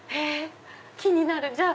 気になる！